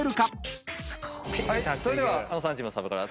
それではあのさんチームのサーブから。